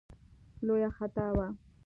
لویه خطا وه.